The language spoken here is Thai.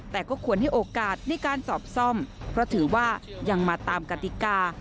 แต่ก็ควรให้โอกาสในการสอบซ่อมเพราะถือว่ายังมาตามกติกา